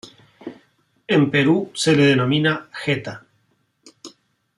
En Perú se le denomina Jetta.